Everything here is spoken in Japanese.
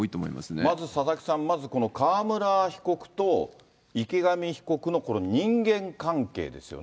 まず佐々木さん、まずこの川村被告と池上被告の人間関係ですよね。